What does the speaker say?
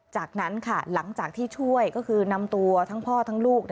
จากนั้นค่ะหลังจากที่ช่วยก็คือนำตัวทั้งพ่อทั้งลูก